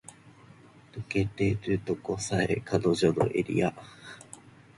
抜けてるとこさえ彼女のエリア